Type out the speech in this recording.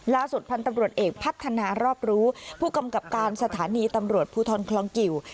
พันธุ์ตำรวจเอกพัฒนารอบรู้ผู้กำกับการสถานีตำรวจภูทรคลองกิว